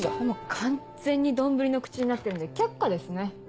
完全に丼の口になってるんで却下ですね。